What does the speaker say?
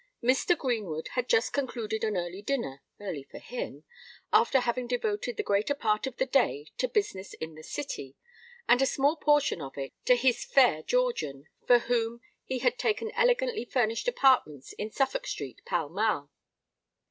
Mr. Greenwood had just concluded an early dinner (early for him) after having devoted the greater part of the day to business in the City, and a small portion of it to his fair Georgian, for whom he had taken elegantly furnished apartments in Suffolk Street, Pall Mall.